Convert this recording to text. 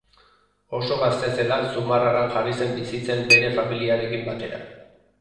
Oso gazte zela Zumarragan jarri zen bizitzen bere familiarekin batera.